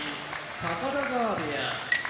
高田川部屋